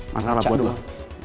masalah gue doang